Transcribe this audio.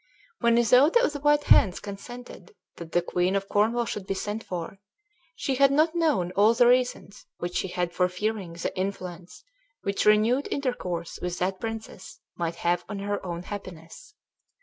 When Isoude of the White Hands consented that the queen of Cornwall should be sent for, she had not known all the reasons which she had for fearing the influence which renewed intercourse with that princess might have on her own happiness.